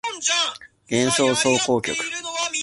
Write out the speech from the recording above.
幻想即興曲